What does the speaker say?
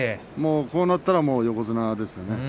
こうなってしまったら横綱ですね。